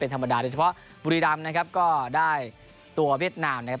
ธรรมดาโดยเฉพาะบุรีรำนะครับก็ได้ตัวเวียดนามนะครับ